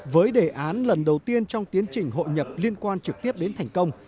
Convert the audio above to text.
với đề án lần đầu tiên trong tiến trình hội nhập liên quan trực tiếp đến thành công